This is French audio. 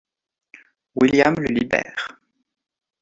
William le libère.